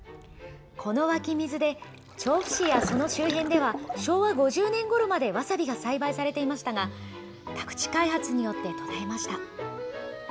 この湧き水で、調布市やその周辺では、昭和５０年ごろまでわさびが栽培されていましたが、宅地開発によって途絶えました。